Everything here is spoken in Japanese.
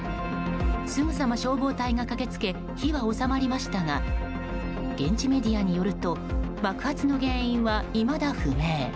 すぐさま消防隊が駆けつけ火は収まりましたが現地メディアによると爆発の原因はいまだ不明。